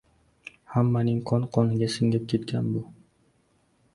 hammaning qon-qoniga singib ketgan bu;